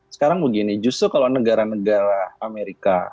sekarang begini justru kalau negara negara amerika